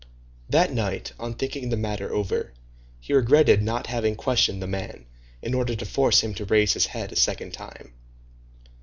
That night, on thinking the matter over, he regretted not having questioned the man, in order to force him to raise his head a second time.